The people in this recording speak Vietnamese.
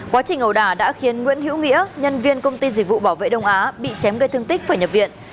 quá trình ẩu đả đã khiến nguyễn hữu nghĩa nhân viên công ty dịch vụ bảo vệ đông á bị chém gây thương tích phải nhập viện